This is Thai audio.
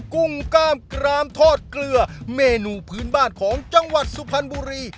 กุ้งกล้ามกรามทอดเกลือเมนูพื้นบ้านของจังหวัดสุพรรณบุรี